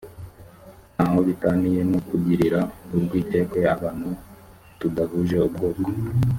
nta ho bitaniye no kugirira urwikekwe abantu tudahuje ubwoko